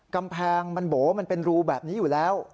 กำแพงมันโบ๋มันเป็นรูแบบนี้อยู่แล้ว